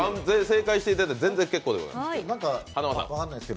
正解していただいて全然結構でございます。